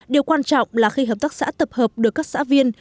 điều quan trọng là khi hợp tác xã tập hợp được các xã viên